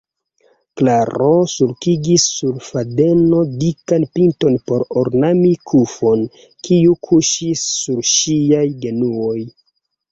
Klaro sulkigis sur fadeno dikan pinton por ornami kufon, kiu kuŝis sur ŝiaj genuoj.